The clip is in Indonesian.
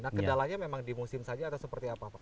nah kendalanya memang di musim saja atau seperti apa pak